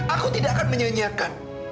aku tidak akan menyanyikan